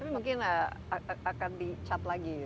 tapi mungkin akan dicat lagi gitu ya